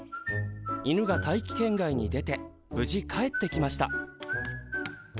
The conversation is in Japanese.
犬が大気圏外に出て無事帰ってきました。